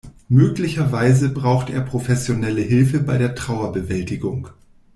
Möglicherweise braucht er professionelle Hilfe bei der Trauerbewältigung.